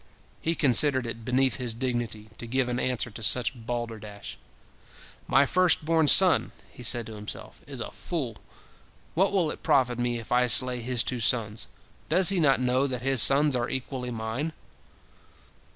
He considered it beneath his dignity to give an answer to such balderdash. "My first born son," he said to himself, "is a fool. What will it profit me, if I slay his two sons? Does he not know that his sons are equally mine?"